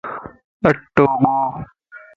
اٽو ڳو